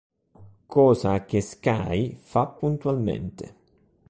Cosa che Skye fa puntualmente.